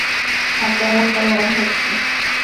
হ্যাঁ, তেমনটাই মনে হচ্ছে।